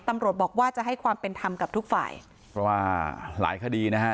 ตำรวจบอกว่าจะให้ความเป็นธรรมกับทุกฝ่ายเพราะว่าหลายคดีนะฮะ